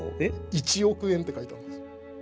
「一億円」って書いてあるんですよ。